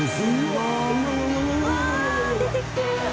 わあ出てきてる！